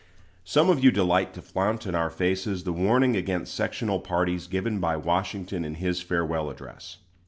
Some of you delight to flaunt in our faces the warning against sectional parties given by Washington in his Farewell Address.